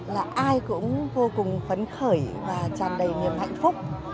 là ai cũng vô cùng phấn khởi và tràn đầy niềm hạnh phúc